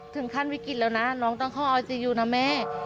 ขั้นวิกฤตแล้วนะน้องต้องเข้าไอซียูนะแม่